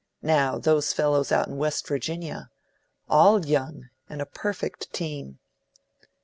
Now, those fellows out in West Virginia: all young, and a perfect team!